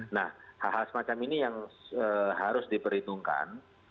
nah hal hal semacam ini yang harus diperhitungkan